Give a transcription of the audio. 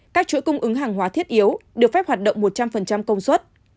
các chuỗi cung ứng hàng hóa thiết yếu được phép hoạt động một trăm linh công suất